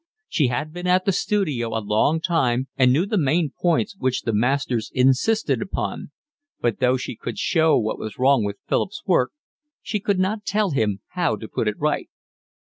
She had been at the studio a long time and knew the main points which the masters insisted upon, but though she could show what was wrong with Philip's work she could not tell him how to put it right.